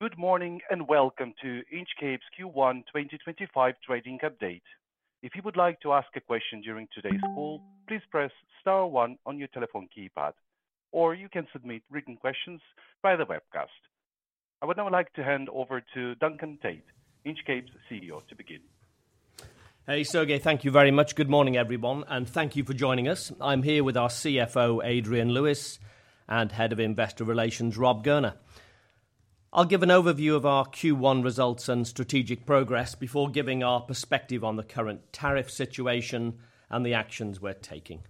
Good morning and welcome to Inchcape's Q1 2025 trading update. If you would like to ask a question during today's call, please press star one on your telephone keypad, or you can submit written questions via the webcast. I would now like to hand over to Duncan Tait, Inchcape's CEO, to begin. Hey, Sergey, thank you very much. Good morning, everyone, and thank you for joining us. I'm here with our CFO, Adrian Lewis, and Head of Investor Relations, Rob Gurner. I'll give an overview of our Q1 results and strategic progress before giving our perspective on the current tariff situation and the actions we're taking.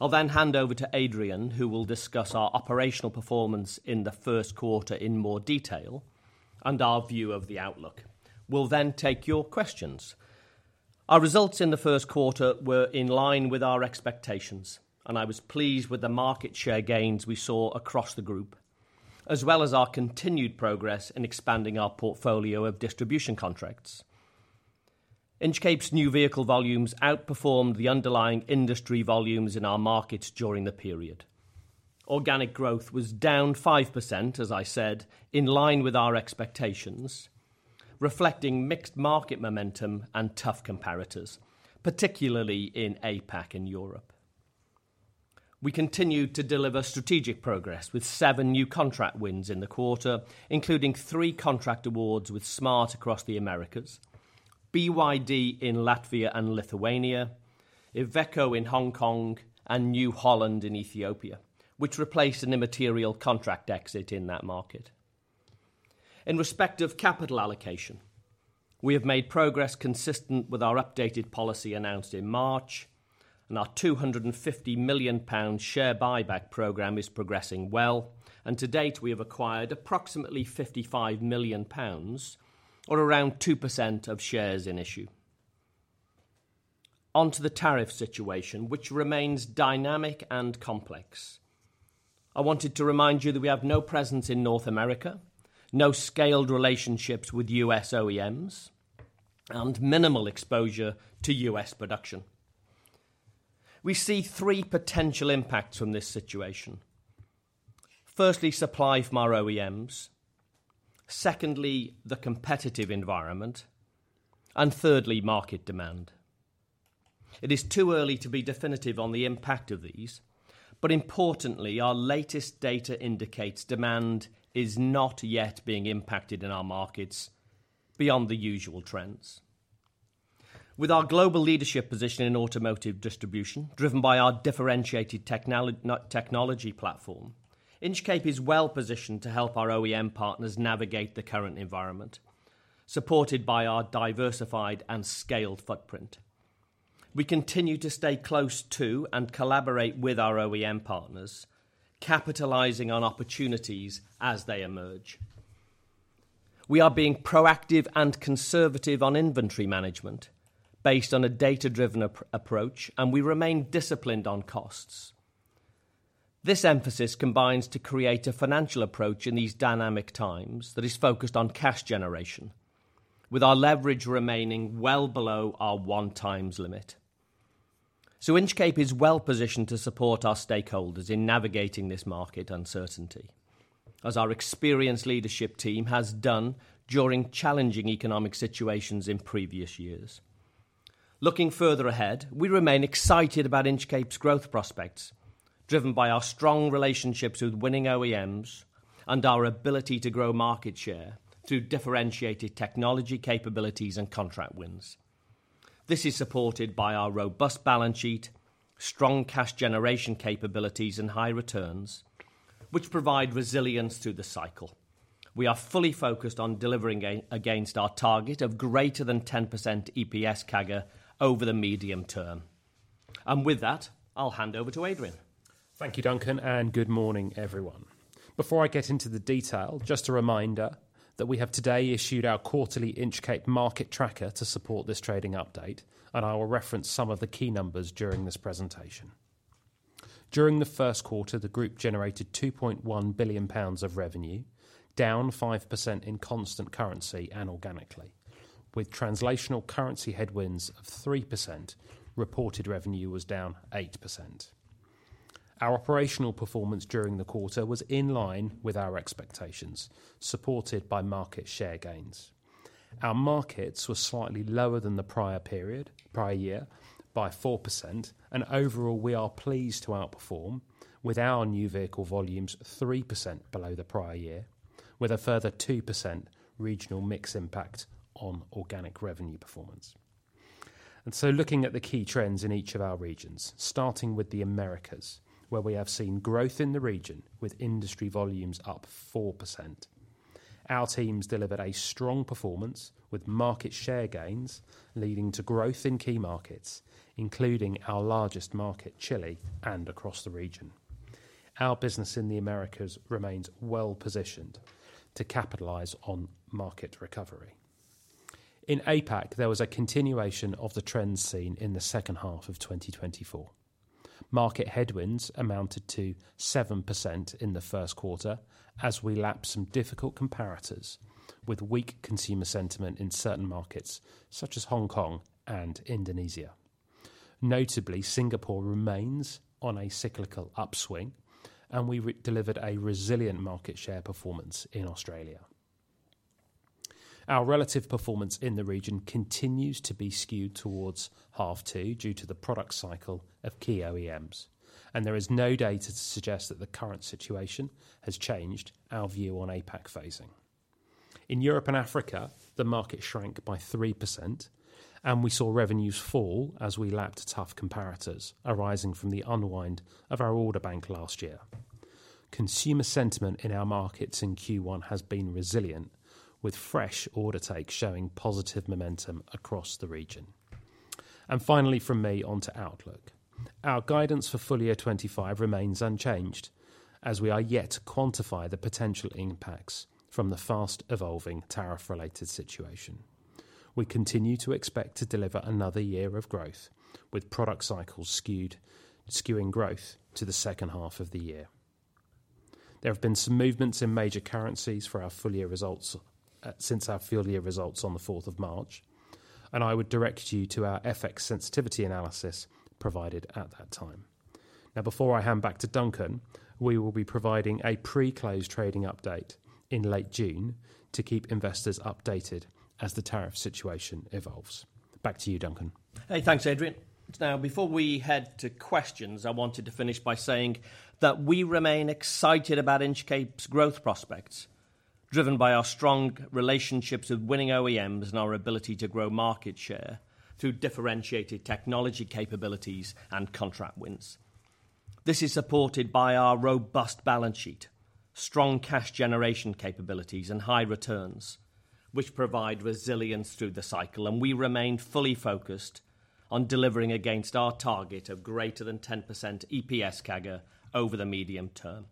I'll then hand over to Adrian, who will discuss our operational performance in the first quarter in more detail and our view of the outlook. We'll then take your questions. Our results in the first quarter were in line with our expectations, and I was pleased with the market share gains we saw across the group, as well as our continued progress in expanding our portfolio of distribution contracts. Inchcape's new vehicle volumes outperformed the underlying industry volumes in our markets during the period. Organic growth was down 5%, as I said, in line with our expectations, reflecting mixed market momentum and tough comparators, particularly in APAC and Europe. We continued to deliver strategic progress with seven new contract wins in the quarter, including three contract awards with Smart across the Americas, BYD in Latvia and Lithuania, Iveco in Hong Kong, and New Holland in Ethiopia, which replaced an immaterial contract exit in that market. In respect of capital allocation, we have made progress consistent with our updated policy announced in March, and our 250 million pound share buyback program is progressing well, and to date we have acquired approximately 55 million pounds, or around 2% of shares in issue. Onto the tariff situation, which remains dynamic and complex. I wanted to remind you that we have no presence in North America, no scaled relationships with US OEMs, and minimal exposure to US production. We see three potential impacts from this situation. Firstly, supply from our OEMs. Secondly, the competitive environment. Thirdly, market demand. It is too early to be definitive on the impact of these, but importantly, our latest data indicates demand is not yet being impacted in our markets beyond the usual trends. With our global leadership position in automotive distribution, driven by our differentiated technology platform, Inchcape is well positioned to help our OEM partners navigate the current environment, supported by our diversified and scaled footprint. We continue to stay close to and collaborate with our OEM partners, capitalizing on opportunities as they emerge. We are being proactive and conservative on inventory management based on a data-driven approach, and we remain disciplined on costs. This emphasis combines to create a financial approach in these dynamic times that is focused on cash generation, with our leverage remaining well below our one-times limit. Inchcape is well positioned to support our stakeholders in navigating this market uncertainty, as our experienced leadership team has done during challenging economic situations in previous years. Looking further ahead, we remain excited about Inchcape's growth prospects, driven by our strong relationships with winning OEMs and our ability to grow market share through differentiated technology capabilities and contract wins. This is supported by our robust balance sheet, strong cash generation capabilities, and high returns, which provide resilience through the cycle. We are fully focused on delivering against our target of greater than 10% EPS CAGR over the medium term. With that, I'll hand over to Adrian. Thank you, Duncan, and good morning, everyone. Before I get into the detail, just a reminder that we have today issued our quarterly Inchcape market tracker to support this trading update, and I will reference some of the key numbers during this presentation. During the first quarter, the group generated 2.1 billion pounds of revenue, down 5% in constant currency and organically. With translational currency headwinds of 3%, reported revenue was down 8%. Our operational performance during the quarter was in line with our expectations, supported by market share gains. Our markets were slightly lower than the prior period, prior year, by 4%, and overall we are pleased to outperform, with our new vehicle volumes 3% below the prior year, with a further 2% regional mix impact on organic revenue performance. Looking at the key trends in each of our regions, starting with the Americas, we have seen growth in the region with industry volumes up 4%. Our teams delivered a strong performance with market share gains, leading to growth in key markets, including our largest market, Chile, and across the region. Our business in the Americas remains well positioned to capitalize on market recovery. In APAC, there was a continuation of the trends seen in the second half of 2024. Market headwinds amounted to 7% in the first quarter, as we lapped some difficult comparators with weak consumer sentiment in certain markets such as Hong Kong and Indonesia. Notably, Singapore remains on a cyclical upswing, and we delivered a resilient market share performance in Australia. Our relative performance in the region continues to be skewed towards half two due to the product cycle of key OEMs, and there is no data to suggest that the current situation has changed our view on APAC phasing. In Europe and Africa, the market shrank by 3%, and we saw revenues fall as we lapped tough comparators, arising from the unwind of our order bank last year. Consumer sentiment in our markets in Q1 has been resilient, with fresh order takes showing positive momentum across the region. Finally, from me onto outlook. Our guidance for full year 2025 remains unchanged, as we are yet to quantify the potential impacts from the fast evolving tariff-related situation. We continue to expect to deliver another year of growth, with product cycles skewing growth to the second half of the year. There have been some movements in major currencies for our full year results since our full year results on the 4th of March, and I would direct you to our FX sensitivity analysis provided at that time. Now, before I hand back to Duncan, we will be providing a pre-closed trading update in late June to keep investors updated as the tariff situation evolves. Back to you, Duncan. Hey, thanks, Adrian. Now, before we head to questions, I wanted to finish by saying that we remain excited about Inchcape's growth prospects, driven by our strong relationships with winning OEMs and our ability to grow market share through differentiated technology capabilities and contract wins. This is supported by our robust balance sheet, strong cash generation capabilities, and high returns, which provide resilience through the cycle, and we remain fully focused on delivering against our target of greater than 10% EPS CAGR over the medium term.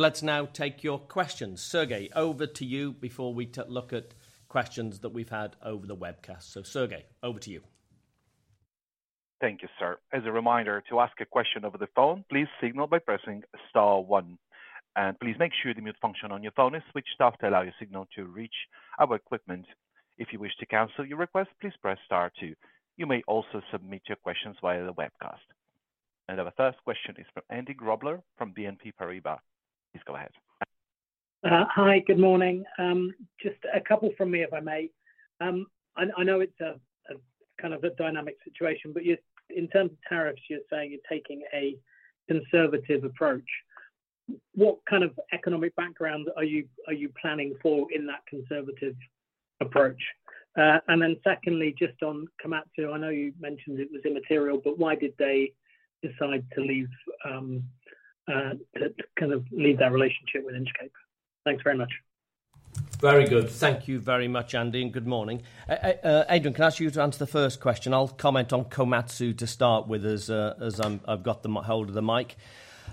Let's now take your questions. Sergey, over to you before we look at questions that we've had over the webcast. Sergey, over to you. Thank you, sir. As a reminder, to ask a question over the phone, please signal by pressing star one. Please make sure the mute function on your phone is switched off to allow your signal to reach our equipment. If you wish to cancel your request, please press star two. You may also submit your questions via the webcast. Our first question is from Andy Grobler from BNP Paribas. Please go ahead. Hi, good morning. Just a couple from me, if I may. I know it's a kind of a dynamic situation, but in terms of tariffs, you're saying you're taking a conservative approach. What kind of economic background are you planning for in that conservative approach? Secondly, just on Komatsu, I know you mentioned it was immaterial, but why did they decide to kind of leave that relationship with Inchcape? Thanks very much. Very good. Thank you very much, Andy. Good morning. Adrian, can I ask you to answer the first question? I'll comment on Komatsu to start with as I've got the hold of the mic.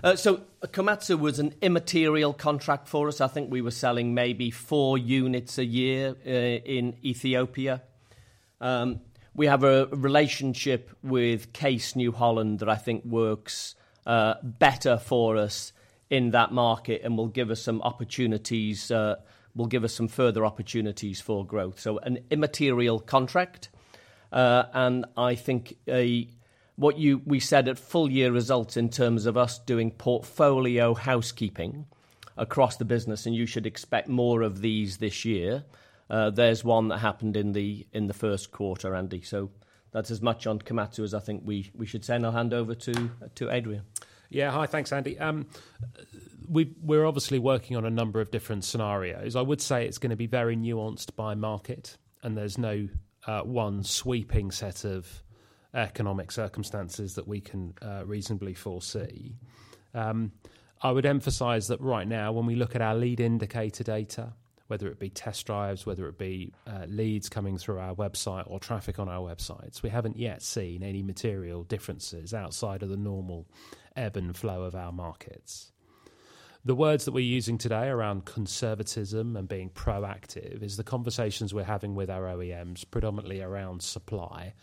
Komatsu was an immaterial contract for us. I think we were selling maybe four units a year in Ethiopia. We have a relationship with Case New Holland that I think works better for us in that market and will give us some opportunities, will give us some further opportunities for growth. An immaterial contract. I think what we said at full year results in terms of us doing portfolio housekeeping across the business, you should expect more of these this year. There's one that happened in the first quarter, Andy. That's as much on Komatsu as I think we should say. I'll hand over to Adrian. Yeah, hi, thanks, Andy. We're obviously working on a number of different scenarios. I would say it's going to be very nuanced by market, and there's no one sweeping set of economic circumstances that we can reasonably foresee. I would emphasize that right now, when we look at our lead indicator data, whether it be test drives, whether it be leads coming through our website or traffic on our websites, we haven't yet seen any material differences outside of the normal ebb and flow of our markets. The words that we're using today around conservatism and being proactive is the conversations we're having with our OEMs predominantly around supply,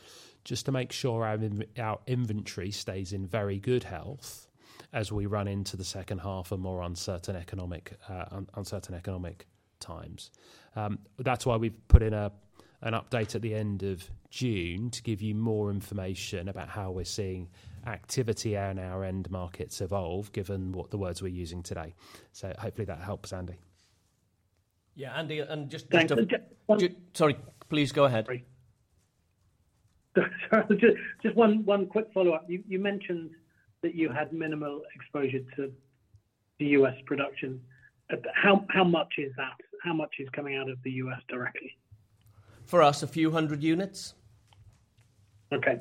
just to make sure our inventory stays in very good health as we run into the second half of more uncertain economic times. That's why we've put in an update at the end of June to give you more information about how we're seeing activity and our end markets evolve, given what the words we're using today. Hopefully that helps, Andy. Yeah, Andy, just. Sorry, please go ahead. Sorry, just one quick follow-up. You mentioned that you had minimal exposure to U.S. production. How much is that? How much is coming out of the U.S. directly? For us, a few hundred units. Okay.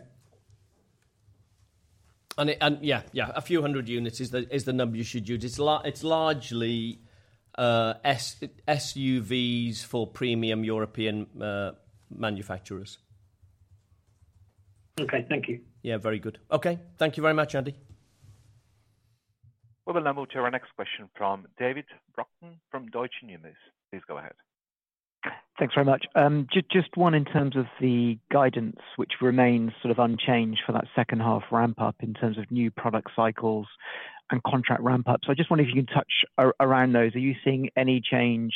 Yeah, a few hundred units is the number you should use. It's largely SUVs for premium European manufacturers. Okay, thank you. Yeah, very good. Okay, thank you very much, Andy. We'll then move to our next question from David Brocken from Deutsche Numis. Please go ahead. Thanks very much. Just one in terms of the guidance, which remains sort of unchanged for that second half ramp-up in terms of new product cycles and contract ramp-ups. I just wonder if you can touch around those. Are you seeing any change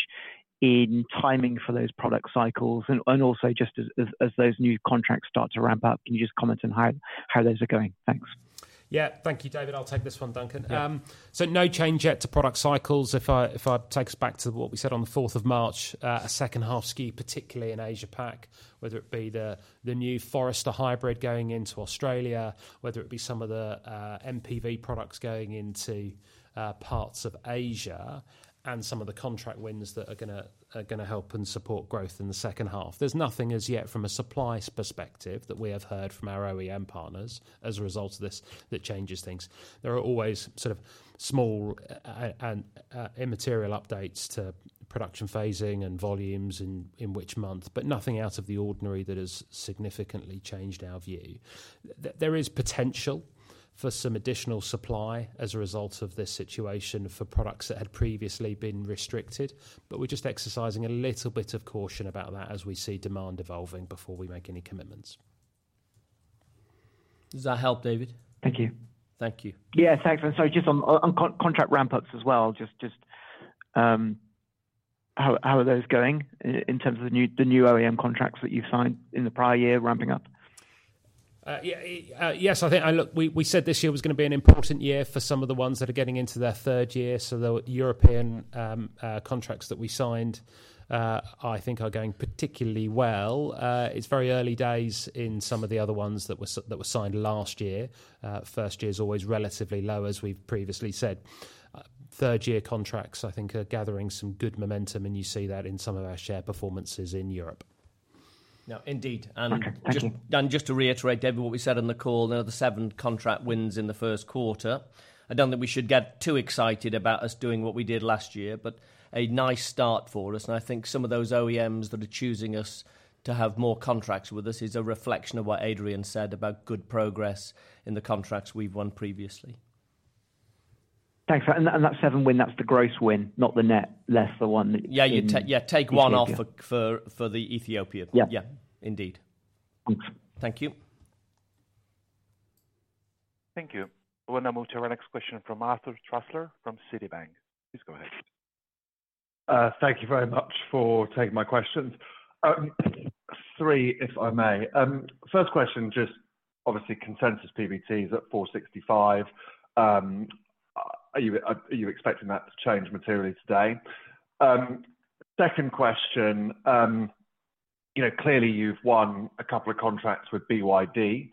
in timing for those product cycles? Also, just as those new contracts start to ramp up, can you just comment on how those are going? Thanks. Yeah, thank you, David. I'll take this one, Duncan. No change yet to product cycles. If I take us back to what we said on the 4th of March, a second half skew, particularly in Asia-Pac, whether it be the new Forester hybrid going into Australia, whether it be some of the MPV products going into parts of Asia, and some of the contract wins that are going to help and support growth in the second half. There's nothing as yet from a supply perspective that we have heard from our OEM partners as a result of this that changes things. There are always sort of small immaterial updates to production phasing and volumes in which month, but nothing out of the ordinary that has significantly changed our view. There is potential for some additional supply as a result of this situation for products that had previously been restricted, but we're just exercising a little bit of caution about that as we see demand evolving before we make any commitments. Does that help, David? Thank you. Thank you. Yeah, thanks. Sorry, just on contract ramp-ups as well, just how are those going in terms of the new OEM contracts that you've signed in the prior year ramping up? Yeah. Yes, I think we said this year was going to be an important year for some of the ones that are getting into their third year. The European contracts that we signed, I think, are going particularly well. It's very early days in some of the other ones that were signed last year. First year is always relatively low, as we've previously said. Third-year contracts, I think, are gathering some good momentum, and you see that in some of our share performances in Europe. Now, indeed. Just to reiterate, David, what we said on the call, the seven contract wins in the first quarter. I do not think we should get too excited about us doing what we did last year, but a nice start for us. I think some of those OEMs that are choosing us to have more contracts with us is a reflection of what Adrian said about good progress in the contracts we have won previously. Thanks. That seven win, that's the gross win, not the net, less the one. Yeah, yeah, take one off for the Ethiopia. Yeah, indeed. Thank you. Thank you. We'll now move to our next question from Arthur Trussler from Citibank. Please go ahead. Thank you very much for taking my questions. Three, if I may. First question, just obviously consensus PBT is at 465 million. Are you expecting that to change materially today? Second question, clearly you've won a couple of contracts with BYD.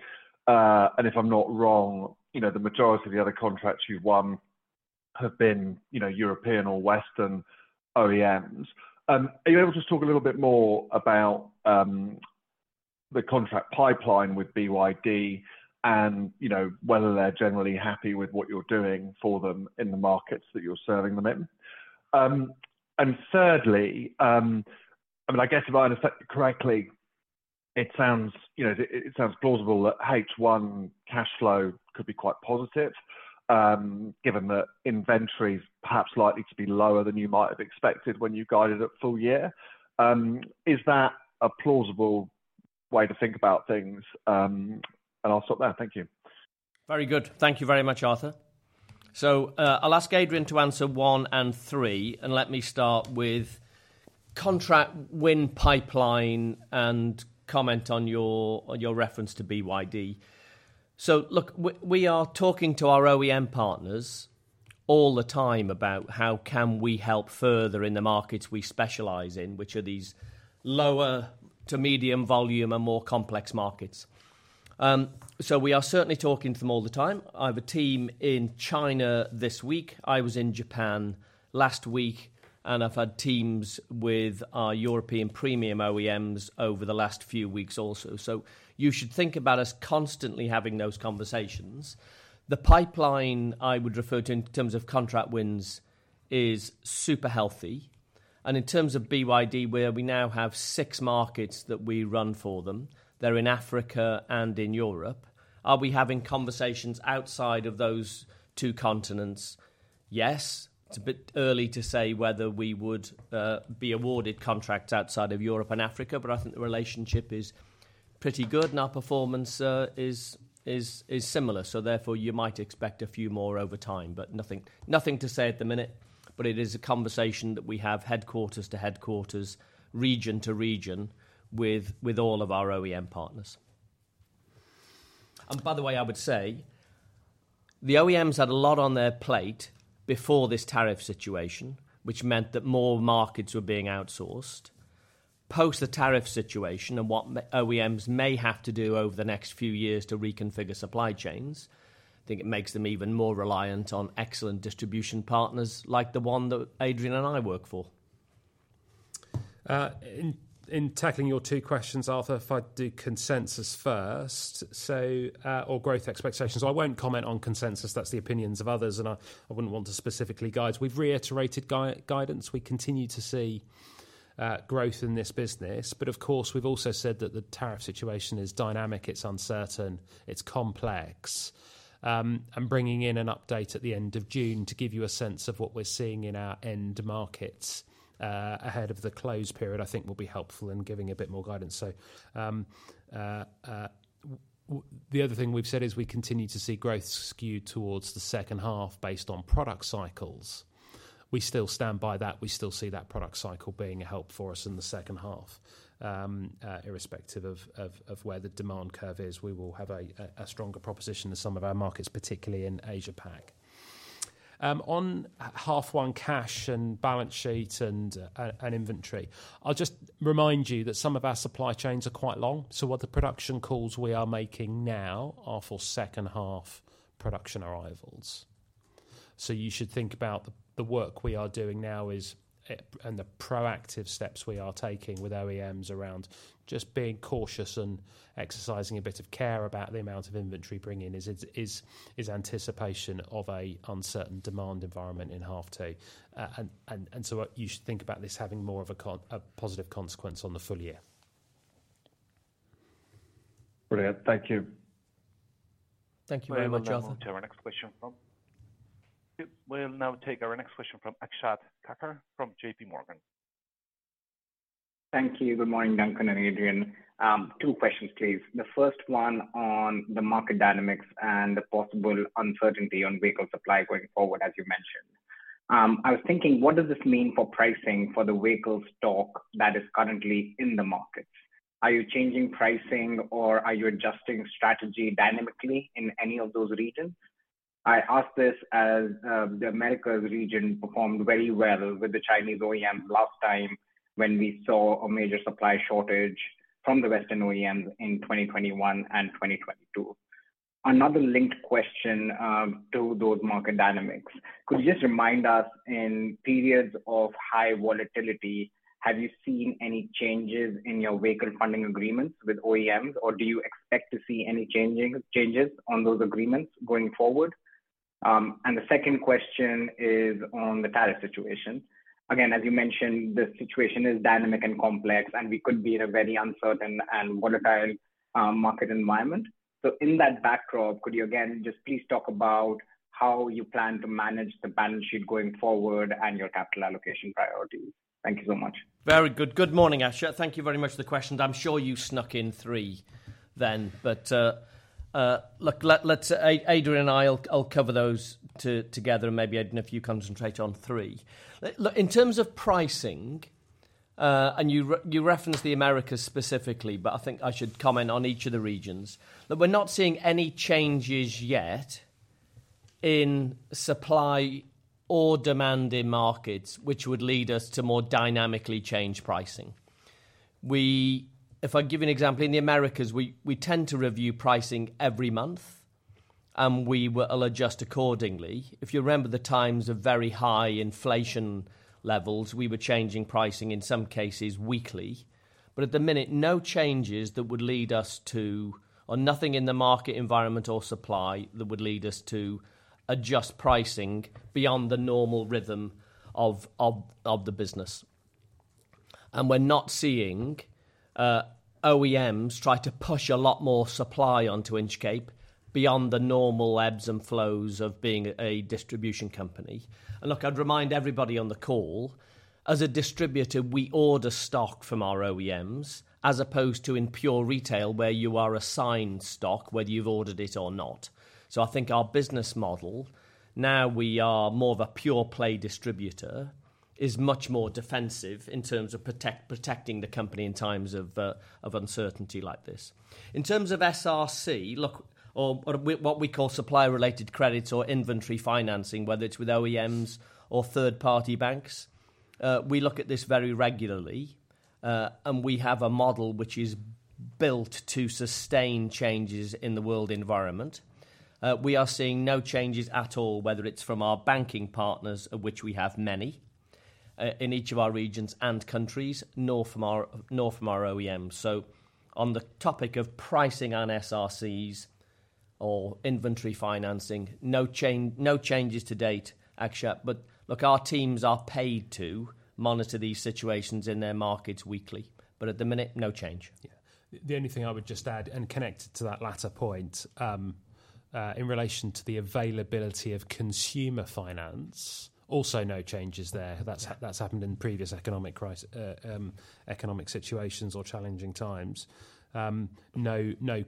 And if I'm not wrong, the majority of the other contracts you've won have been European or Western OEMs. Are you able to just talk a little bit more about the contract pipeline with BYD and whether they're generally happy with what you're doing for them in the markets that you're serving them in? Thirdly, I mean, I guess if I understand it correctly, it sounds plausible that H1 cash flow could be quite positive, given that inventory is perhaps likely to be lower than you might have expected when you guided it full year. Is that a plausible way to think about things? I'll stop there. Thank you. Very good. Thank you very much, Arthur. I'll ask Adrian to answer one and three, and let me start with contract win pipeline and comment on your reference to BYD. Look, we are talking to our OEM partners all the time about how can we help further in the markets we specialize in, which are these lower to medium volume and more complex markets. We are certainly talking to them all the time. I have a team in China this week. I was in Japan last week, and I've had teams with our European premium OEMs over the last few weeks also. You should think about us constantly having those conversations. The pipeline I would refer to in terms of contract wins is super healthy. In terms of BYD, where we now have six markets that we run for them, they are in Africa and in Europe. Are we having conversations outside of those two continents? Yes. It is a bit early to say whether we would be awarded contracts outside of Europe and Africa, but I think the relationship is pretty good, and our performance is similar. Therefore, you might expect a few more over time, but nothing to say at the minute. It is a conversation that we have headquarters to headquarters, region to region, with all of our OEM partners. By the way, I would say the OEMs had a lot on their plate before this tariff situation, which meant that more markets were being outsourced. Post the tariff situation and what OEMs may have to do over the next few years to reconfigure supply chains, I think it makes them even more reliant on excellent distribution partners like the one that Adrian and I work for. In tackling your two questions, Arthur, if I do consensus first, or growth expectations, I won't comment on consensus. That's the opinions of others, and I wouldn't want to specifically guide. We've reiterated guidance. We continue to see growth in this business. Of course, we've also said that the tariff situation is dynamic. It's uncertain. It's complex. Bringing in an update at the end of June to give you a sense of what we're seeing in our end markets ahead of the close period, I think will be helpful in giving a bit more guidance. The other thing we've said is we continue to see growth skewed towards the second half based on product cycles. We still stand by that. We still see that product cycle being a help for us in the second half, irrespective of where the demand curve is. We will have a stronger proposition in some of our markets, particularly in Asia-Pac. On half-one cash and balance sheet and inventory, I'll just remind you that some of our supply chains are quite long. What the production calls we are making now are for second half production arrivals. You should think about the work we are doing now and the proactive steps we are taking with OEMs around just being cautious and exercising a bit of care about the amount of inventory bringing is anticipation of an uncertain demand environment in half two. You should think about this having more of a positive consequence on the full year. Brilliant. Thank you. Thank you very much, Arthur. We'll now take our next question from Akshat Kakkar from JP Morgan. Thank you. Good morning, Duncan and Adrian. Two questions, please. The first one on the market dynamics and the possible uncertainty on vehicle supply going forward, as you mentioned. I was thinking, what does this mean for pricing for the vehicle stock that is currently in the markets? Are you changing pricing, or are you adjusting strategy dynamically in any of those regions? I ask this as the Americas region performed very well with the Chinese OEMs last time when we saw a major supply shortage from the Western OEMs in 2021 and 2022. Another linked question to those market dynamics. Could you just remind us, in periods of high volatility, have you seen any changes in your vehicle funding agreements with OEMs, or do you expect to see any changes on those agreements going forward? The second question is on the tariff situation. Again, as you mentioned, the situation is dynamic and complex, and we could be in a very uncertain and volatile market environment. In that backdrop, could you again just please talk about how you plan to manage the balance sheet going forward and your capital allocation priorities? Thank you so much. Very good. Good morning, Asher. Thank you very much for the questions. I'm sure you snuck in three then. Look, Adrian and I, I'll cover those together, and maybe Adrian, if you concentrate on three. In terms of pricing, and you referenced the Americas specifically, I think I should comment on each of the regions, that we're not seeing any changes yet in supply or demand in markets, which would lead us to more dynamically change pricing. If I give you an example, in the Americas, we tend to review pricing every month, and we will adjust accordingly. If you remember the times of very high inflation levels, we were changing pricing in some cases weekly. At the minute, no changes that would lead us to, or nothing in the market environment or supply that would lead us to adjust pricing beyond the normal rhythm of the business. We are not seeing OEMs try to push a lot more supply onto Inchcape beyond the normal ebbs and flows of being a distribution company. I would remind everybody on the call, as a distributor, we order stock from our OEMs as opposed to in pure retail where you are assigned stock, whether you have ordered it or not. I think our business model, now we are more of a pure-play distributor, is much more defensive in terms of protecting the company in times of uncertainty like this. In terms of SRC, look, or what we call supplier-related credits or inventory financing, whether it's with OEMs or third-party banks, we look at this very regularly, and we have a model which is built to sustain changes in the world environment. We are seeing no changes at all, whether it's from our banking partners, of which we have many in each of our regions and countries, nor from our OEMs. On the topic of pricing on SRCs or inventory financing, no changes to date, Akshat. Our teams are paid to monitor these situations in their markets weekly. At the minute, no change. Yeah. The only thing I would just add and connect to that latter point in relation to the availability of consumer finance, also no changes there. That has happened in previous economic situations or challenging times. No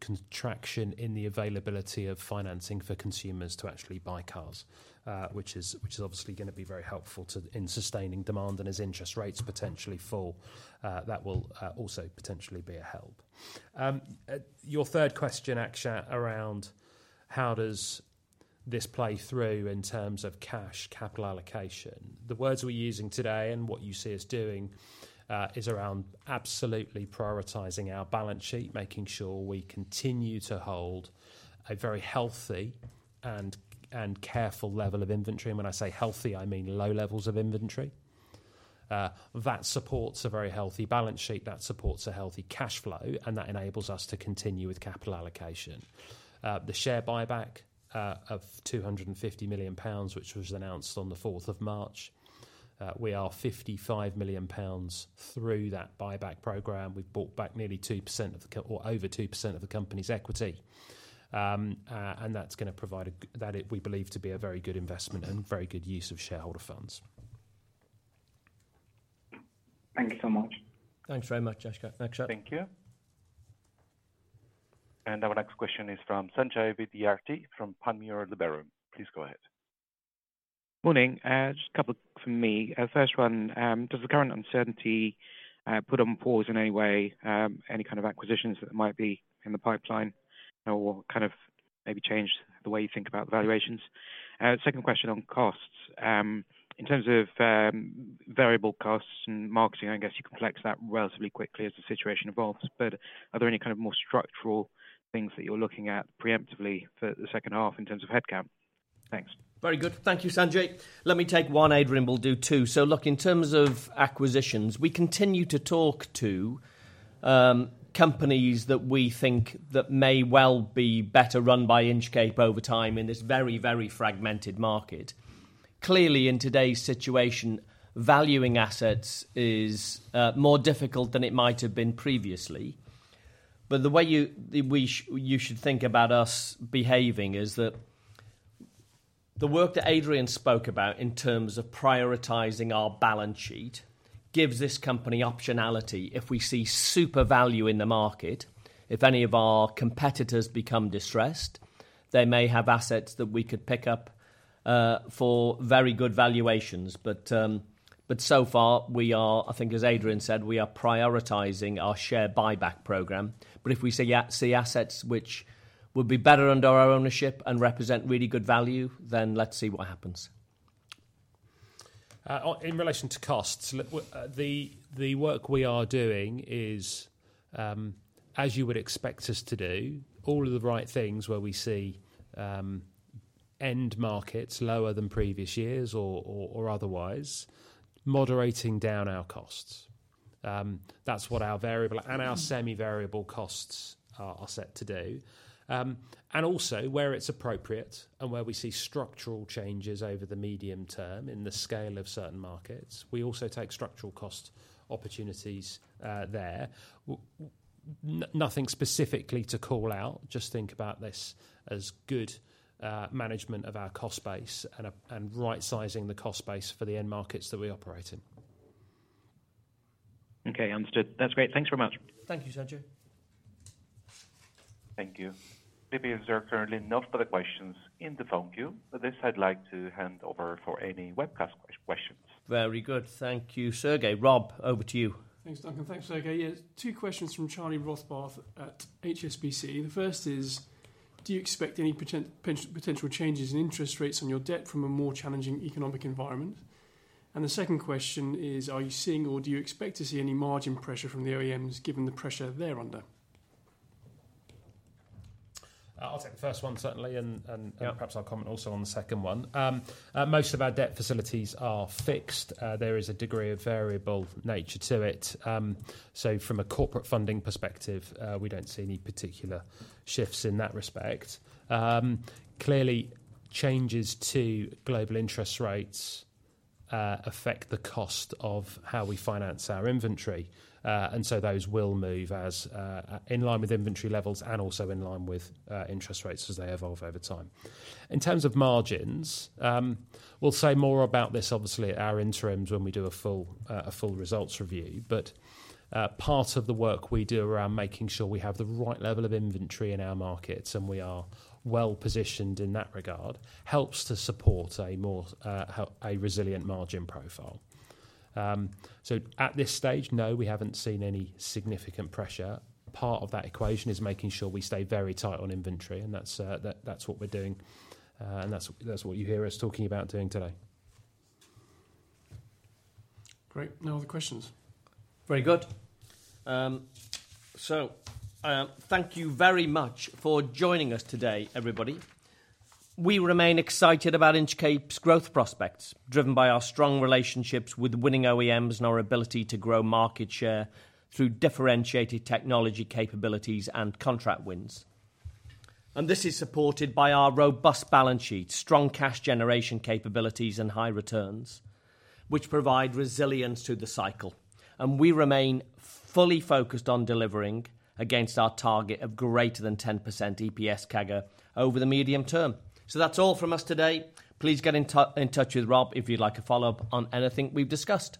contraction in the availability of financing for consumers to actually buy cars, which is obviously going to be very helpful in sustaining demand as interest rates potentially fall. That will also potentially be a help. Your third question, Akshat, around how does this play through in terms of cash capital allocation. The words we are using today and what you see us doing is around absolutely prioritizing our balance sheet, making sure we continue to hold a very healthy and careful level of inventory. I mean healthy, I mean low levels of inventory. That supports a very healthy balance sheet. That supports a healthy cash flow, and that enables us to continue with capital allocation. The share buyback of 250 million pounds, which was announced on the 4th of March, we are 55 million pounds through that buyback program. We have bought back nearly 2% or over 2% of the company's equity. That is going to provide what we believe to be a very good investment and very good use of shareholder funds. Thank you so much. Thanks very much, Akshat. Thank you. Our next question is from Sanjay Vidyarthi from Panmure Liberum. Please go ahead. Morning. Just a couple from me. First one, does the current uncertainty put on pause in any way any kind of acquisitions that might be in the pipeline or kind of maybe change the way you think about the valuations? Second question on costs. In terms of variable costs and marketing, I guess you can flex that relatively quickly as the situation evolves. Are there any kind of more structural things that you're looking at preemptively for the second half in terms of headcount? Thanks. Very good. Thank you, Sanjay. Let me take one. Adrian will do two. In terms of acquisitions, we continue to talk to companies that we think that may well be better run by Inchcape over time in this very, very fragmented market. Clearly, in today's situation, valuing assets is more difficult than it might have been previously. The way you should think about us behaving is that the work that Adrian spoke about in terms of prioritizing our balance sheet gives this company optionality. If we see super value in the market, if any of our competitors become distressed, they may have assets that we could pick up for very good valuations. So far, we are, I think, as Adrian said, we are prioritizing our share buyback program. If we see assets which would be better under our ownership and represent really good value, then let's see what happens. In relation to costs, the work we are doing is, as you would expect us to do, all of the right things where we see end markets lower than previous years or otherwise, moderating down our costs. That is what our variable and our semi-variable costs are set to do. Also, where it is appropriate and where we see structural changes over the medium term in the scale of certain markets, we also take structural cost opportunities there. Nothing specifically to call out. Just think about this as good management of our cost base and right-sizing the cost base for the end markets that we operate in. Okay. Understood. That's great. Thanks very much. Thank you, Sanjay. Thank you. Maybe these are currently not the questions in the phone queue. With this, I'd like to hand over for any webcast questions. Very good. Thank you, Sergey. Rob, over to you. Thanks, Duncan. Thanks, Sergey. Yeah, two questions from Charlie Rothbath at HSBC. The first is, do you expect any potential changes in interest rates on your debt from a more challenging economic environment? The second question is, are you seeing or do you expect to see any margin pressure from the OEMs given the pressure they're under? I'll take the first one, certainly, and perhaps I'll comment also on the second one. Most of our debt facilities are fixed. There is a degree of variable nature to it. From a corporate funding perspective, we don't see any particular shifts in that respect. Clearly, changes to global interest rates affect the cost of how we finance our inventory. Those will move in line with inventory levels and also in line with interest rates as they evolve over time. In terms of margins, we'll say more about this, obviously, at our interims when we do a full results review. Part of the work we do around making sure we have the right level of inventory in our markets and we are well positioned in that regard helps to support a more resilient margin profile. At this stage, no, we haven't seen any significant pressure. Part of that equation is making sure we stay very tight on inventory, and that is what we are doing. That is what you hear us talking about doing today. Great. No other questions. Very good. Thank you very much for joining us today, everybody. We remain excited about Inchcape's growth prospects driven by our strong relationships with winning OEMs and our ability to grow market share through differentiated technology capabilities and contract wins. This is supported by our robust balance sheet, strong cash generation capabilities, and high returns, which provide resilience to the cycle. We remain fully focused on delivering against our target of greater than 10% EPS CAGR over the medium term. That is all from us today. Please get in touch with Rob if you'd like a follow-up on anything we've discussed.